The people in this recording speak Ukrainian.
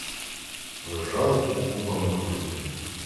Лежали під купами кожухів.